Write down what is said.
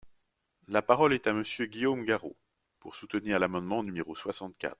La parole est à Monsieur Guillaume Garot, pour soutenir l’amendement numéro soixante-quatre.